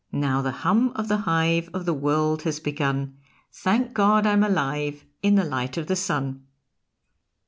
Now the hum of the hive Of the world has begun, Thank God I'm alive In the light of the Sun!